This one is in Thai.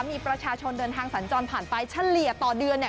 มีประชาชนเดินทางสัญจรผ่านไปเฉลี่ยต่อเดือนเนี่ย